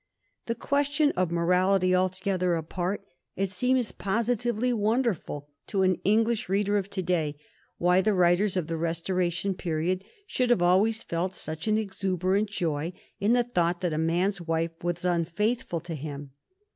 The question of morality altogether apart, it seems posi tively wonderful to an English reader of to day why the writers of the Restoration period should have always felt such an exuberant joy in the thought that a man's wife was unfaithful to him.